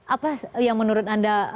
apa yang menurut anda